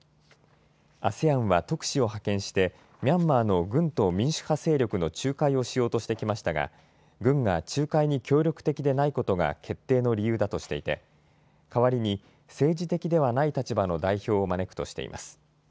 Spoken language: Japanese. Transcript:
ＡＳＥＡＮは特使を派遣してミャンマーの軍と民主派勢力の仲介をしようとしてきましたが軍が仲介に協力的でないことが決定の理由だとしていて代わりに政治的ではない立場の代表を招くとしています。